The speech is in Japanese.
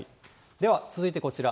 では続いてこちら。